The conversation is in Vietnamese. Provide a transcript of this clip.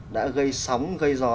đã gây sóng gây gió